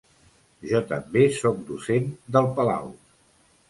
Jo també sóc docent d’el Palau